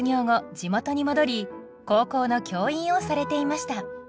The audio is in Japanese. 地元に戻り高校の教員をされていました。